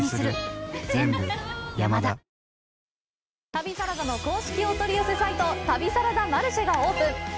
旅サラダの公式お取り寄せサイト、「旅サラダマルシェ」がオープン！